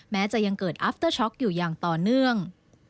แม้จะยังเกิดอัฟเตอร์ช็อกอยู่อย่างต่อเนื่อง